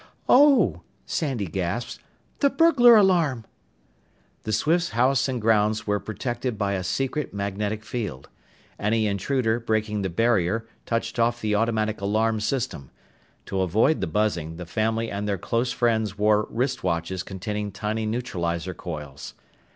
"Oh!" Sandy gasped. "The burglar alarm!" The Swifts' house and grounds were protected by a secret magnetic field. Any intruder breaking the barrier touched off the automatic alarm system. To avoid the buzzing, the family and their close friends wore wrist watches containing tiny neutralizer coils.